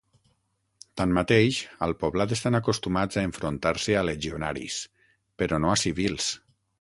Tanmateix, al poblat estan acostumats a enfrontar-se a legionaris, però no a civils.